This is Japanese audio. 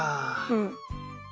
うん。